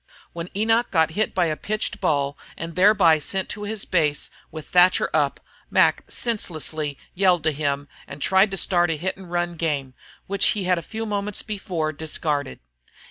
When Enoch got hit by a pitched ball and thereby sent to his base, with Thatcher up, Mac senselessly yelled to him and tried to start the hit and run game, which he had a few moments before discarded.